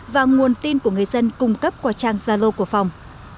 và nguồn tin của người dân cung cấp qua trang gia lô của phòng